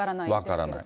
分からない。